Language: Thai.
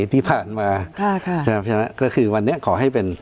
ใช่ไหมก็คือวันนี้ขอให้เป็น